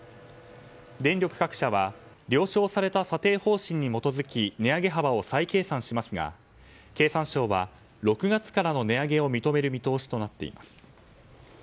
電力各社は了承された査定方針に基づき値上げ幅を再計算しますが経産省は６月からの値上げを認める見通しとなっています。